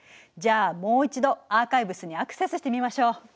じゃあもう一度アーカイブスにアクセスしてみましょう。